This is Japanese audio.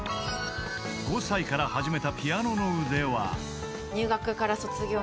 ［５歳から始めたピアノの腕は］